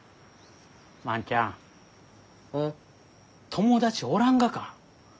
友達おらんがか？